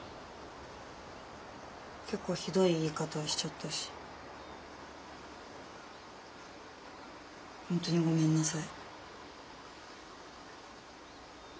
結構ひどい言い方しちゃったし本当にごめんなさい。